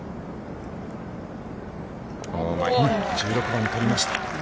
１６番を取りました。